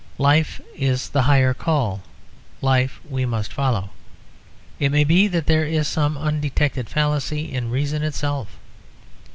Life is the higher call, life we must follow. It may be that there is some undetected fallacy in reason itself.